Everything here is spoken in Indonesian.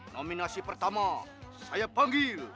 nominasi pertama saya panggil